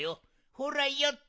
ほらよっと！